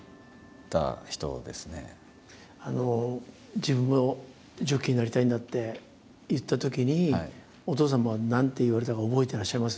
「自分もジョッキーになりたいんだ」って言ったときにお父様は何て言われたか覚えていらっしゃいます？